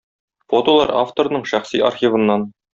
Фотолар авторның шәхси архивыннан.